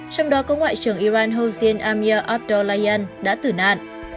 trong đó có ngoại trưởng iran hossein amir abdel layan đã tử nạn